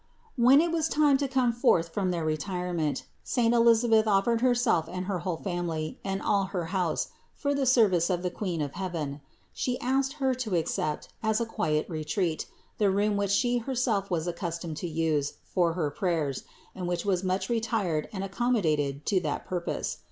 226. When it was time to come forth from their re THE INCARNATION 183 tirement, saint Elisabeth offered herself and her whole family and all her house for the service of the Queen of heaven. She asked Her to accept, as a quiet retreat, the room which she herself was accustomed to use for her prayers, and which was much retired and accom modated to that purpose.